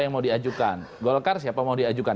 yang mau diajukan golkar siapa mau diajukan